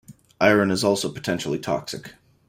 Iron is also potentially toxic.